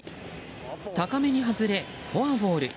高めに外れ、フォアボール。